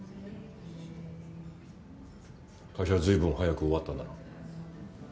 会社随分早く終わったんだな。